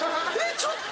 ちょっと。